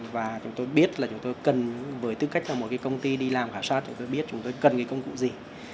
và chúng tôi biết là chúng tôi cần với tư cách là một cái công ty đi làm khảo sát chúng tôi biết chúng tôi cần công cụ gì